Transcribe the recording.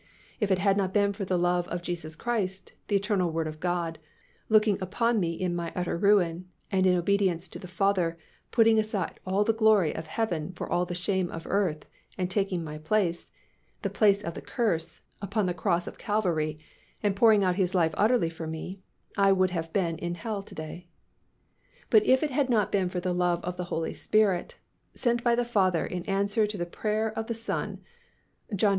If it had not been for the love of Jesus Christ, the eternal Word of God, looking upon me in my utter ruin and in obedience to the Father, putting aside all the glory of heaven for all the shame of earth and taking my place, the place of the curse, upon the cross of Calvary and pouring out His life utterly for me, I would have been in hell to day. But if it had not been for the love of the Holy Spirit, sent by the Father in answer to the prayer of the Son (John xiv.